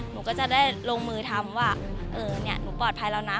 หนูก็จะได้ลงมือทำว่าเออเนี่ยหนูปลอดภัยแล้วนะ